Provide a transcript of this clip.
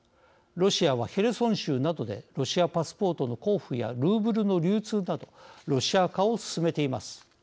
ロシアは、ヘルソン州などでロシアパスポートの交付やルーブルの流通などロシア化を進めています。